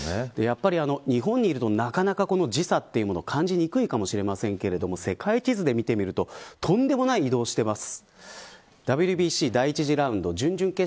日本にいるとなかなか時差というものを感じにくいかもしれませんけれども世界地図で見てみるととんでもない移動をしています。